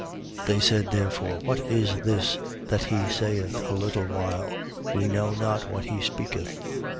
16:18. They said therefore: What is this that he saith, A little while? We know not what he speaketh.